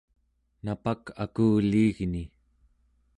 napak akuliigni